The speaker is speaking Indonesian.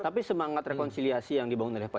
tapi semangat rekonsiliasi yang dibangun oleh pak